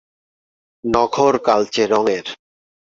নখর কালচে রঙের।